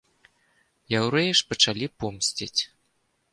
Яўрэі ж пачалі помсціць.